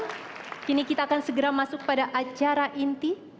kami menginjilkan pembankan yang berada untuk menjaga kualitas hidupnya